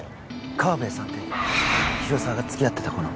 カワベさんって広沢が付き合ってた子？